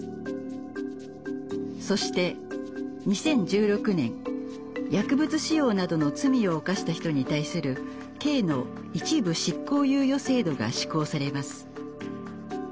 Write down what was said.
そして２０１６年薬物使用などの罪を犯した人に対する刑の一部執行猶予制度が施行されます。